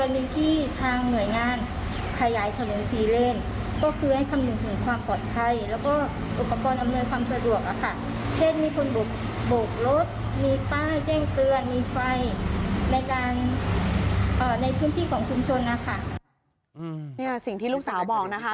นี่ค่ะสิ่งที่ลูกสาวบอกนะคะ